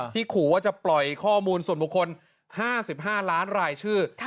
ขู่ว่าจะปล่อยข้อมูลส่วนบุคคล๕๕ล้านรายชื่อ